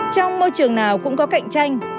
trong môi trường nào cũng có cạnh tranh